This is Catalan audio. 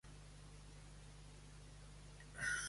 Jo malfixe, porquege, palmege, musclege, prefigure, transigisc